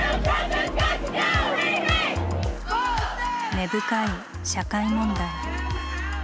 根深い社会問題。